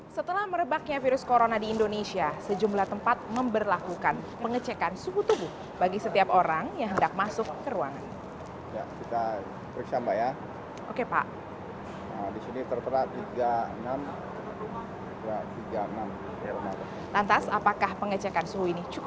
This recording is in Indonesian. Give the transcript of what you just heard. setelah merebaknya virus corona di indonesia sejumlah tempat memperlakukan pengecekan suhu tubuh bagi setiap orang yang hendak masuk ke ruangan